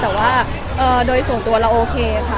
แต่ว่าโดยส่วนตัวเราโอเคค่ะ